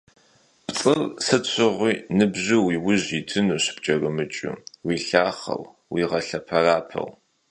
Пцӏыр сыт щыгъуи ныбжьу уи ужьым итынущ пкӀэрымыкӀыу, уилъахъэу, уигъэлъэпэрапэу.